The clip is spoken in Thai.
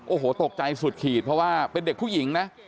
โอ้โหตกใจสุดขีดเพราะว่าเป็นเด็กผู้หญิงนะ